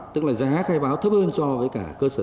tức là giá khai báo thấp hơn so với cả cơ sở